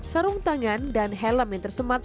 sarung tangan dan helm yang tersemat